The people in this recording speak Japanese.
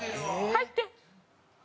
入って！